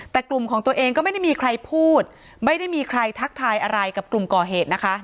แต่กลุ่มของตัวเองก็ไม่ได้มีใครพูดไม่ได้มีใครทักทายอะไรกับกลุ่มก่อเหตุนะคะ